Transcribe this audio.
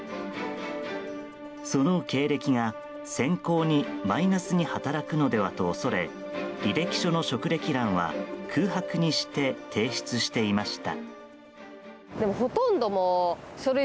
その経歴が選考にマイナスに働くのではと恐れ履歴書の職歴欄は空白にして提出していました。